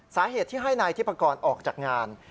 สาเหตุที่ให้นายทิพกรออกจากงาน